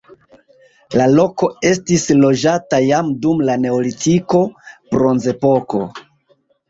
La loko estis loĝata jam dum la neolitiko, bronzepoko.